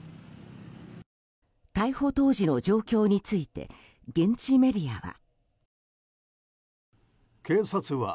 逮捕当時の状況について現地メディアは。